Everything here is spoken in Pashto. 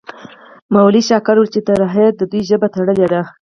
مولوي شاکر وویل چې ترهې د دوی ژبه تړلې ده.